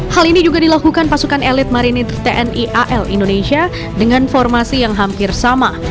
hal ini juga dilakukan pasukan elit marinir tni al indonesia dengan formasi yang hampir sama